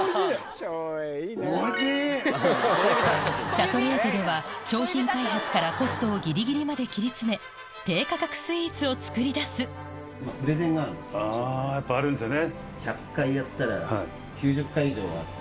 シャトレーゼでは商品開発からコストをギリギリまで切り詰め低価格スイーツを作り出すやっぱあるんですよね。